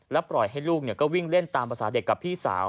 ปล่อยให้ลูกก็วิ่งเล่นตามภาษาเด็กกับพี่สาว